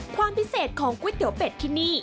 ความพิเศษของก๋วยเตี๋ยวเป็ดที่นี่